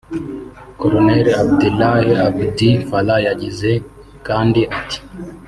Col Abdillahi Abdi Farah yagize kandi ati